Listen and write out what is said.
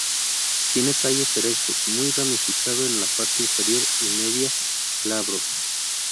Tiene tallos erectos, muy ramificado en la parte inferior y media, glabros.